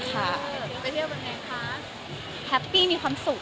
เรื่องราคาที่ทีมเสียเกินไปแล้ว